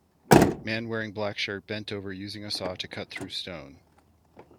Man wearing black shirt bent over using a saw to cut through stone.